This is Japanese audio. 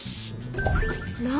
何？